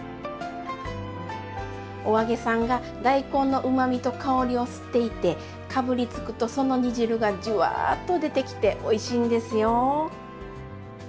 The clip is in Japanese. お揚げさんが大根のうまみと香りを吸っていてかぶりつくとその煮汁がジュワーッと出てきておいしいんですよ。